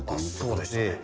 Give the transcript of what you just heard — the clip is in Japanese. そうでしたね。